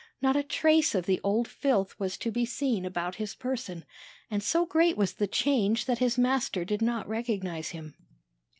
Not a trace of the old filth was to be seen about his person; and so great was the change that his master did not recognize him.